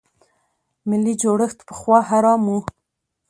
ملي جوړښت پخوا حرام و.